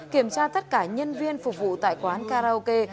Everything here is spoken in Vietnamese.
kiểm tra tất cả nhân viên phục vụ tại quán karaoke